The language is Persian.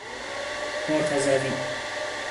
مرتضوی